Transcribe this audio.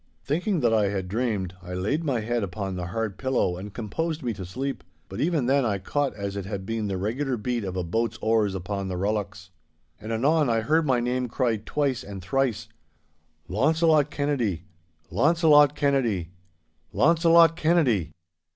Thinking that I had dreamed, I laid my head upon the hard pillow and composed me to sleep, but even then I caught as it had been the regular beat of a boat's oars upon the rullocks. And anon I heard my name cried twice and thrice, 'Launcelot Kennedy! Launcelot Kennedy! Launcelot Kennedy!